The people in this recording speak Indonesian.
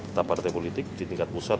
entah partai politik di tingkat pusat